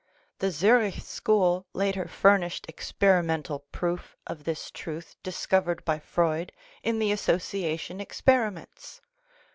The Zurich school later furnished*^ experimental proof of this truth discovered by Freud, in the association experiments.